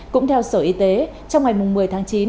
cũng theo sở y tế trong ngày một mươi tháng chín